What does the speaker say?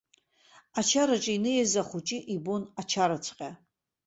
Ачараҿы инеиз ахәыҷы ибон ачараҵәҟьа.